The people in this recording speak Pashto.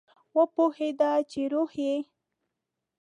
وپوهیده چې روح یې